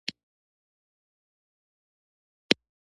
• د سهار پاکوالی د زړه صفا کوي.